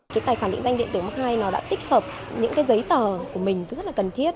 cái tài khoản định danh điện tử mức hai nó đã tích hợp những cái giấy tờ của mình rất là cần thiết